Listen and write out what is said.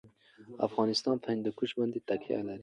افغانستان په هندوکش باندې تکیه لري.